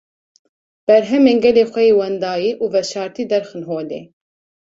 berhemên gelê xwe yê wendayî û veşartî derxin holê.